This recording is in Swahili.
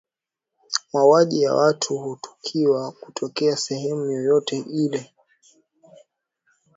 mauaji ya watu hatakiwi kutokea sehemu yoyote hile